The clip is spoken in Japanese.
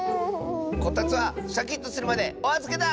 こたつはシャキッとするまでおあずけだ！